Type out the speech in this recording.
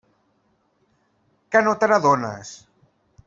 Que no te n'adones?